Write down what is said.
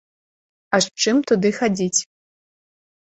А з чым туды хадзіць?